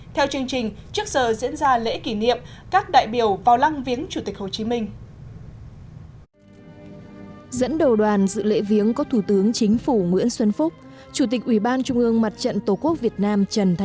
theo chương trình trước giờ diễn ra lễ kỷ niệm các đại biểu vào lăng viếng chủ tịch hồ chí minh